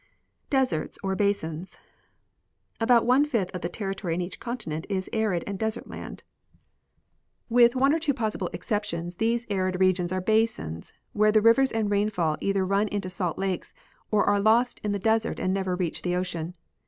Deserts or Basins. About one fifth of the territory in each continent is arid and desert land. With one or two possible exceptions these arid 120 6r. G. Hubbard — Air and Water, Temperature and Life. * regions are basins, where the rivers and rainfall either run into salt lakes or are lost in the desert and never reach the ocean.